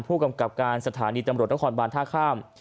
ผู้กำกับการสถานีตำรวจนครบานท่าข้าม